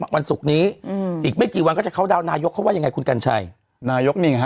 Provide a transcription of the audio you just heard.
วันศุกร์นี้อีกไม่กี่วันก็จะเข้าดาวนนายกเขาว่ายังไงคุณกัญชัยนายกนี่ไงฮะ